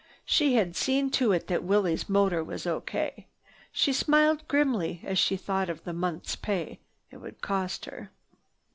She had seen to it that Willie's motor was O.K. She smiled grimly as she thought of the month's pay it would cost her.